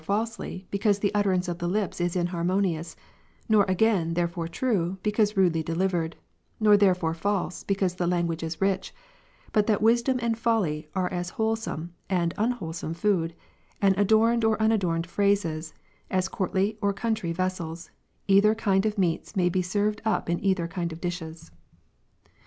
falsely, because the utteranceof the lips is inharmonious ; nor, ^'^' again, therefore true, because rudely delivered; nor therefore false, because the language is rich; but that wisdom and folly, are as wholesome and unwholesome food ; and adorned or unadorned phrases, as courtly or country vessels ; either kind of meats may be served up in either kind of dishes.